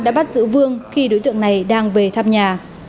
đã bắt giữ vương khi đối tượng này đang về thăm nhà